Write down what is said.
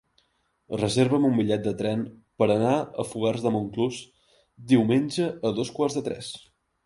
Reserva'm un bitllet de tren per anar a Fogars de Montclús diumenge a dos quarts de tres.